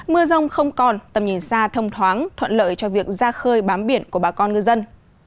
mưa rông không còn tầm nhìn xa thông thoáng thuận lợi cho việc ra khơi bám biển của bà con ngư dân